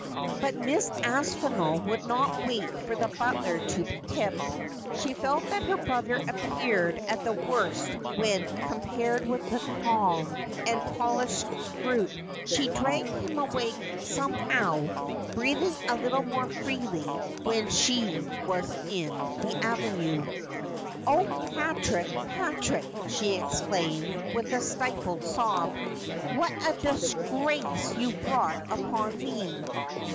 But Mrs. Aspinall would not wait for the butler to be tipped. She felt that her brother appeared at his worst when compared with the calm and polished Scroope. She dragged him away somehow, breathing a little more freely when she was in the avenue. 'Oh, Patrick, Patrick,' she exclaimed, with a stifled sob, ' what a disgrace you've brought upon me